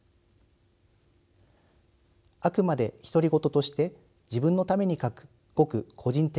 あくまで独り言として自分のために書くごく個人的